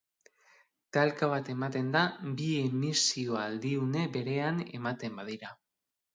Talka bat ematen da bi emisio aldiune berean ematen badira.